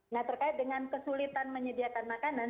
nah terkait dengan kesulitan menyediakan makanan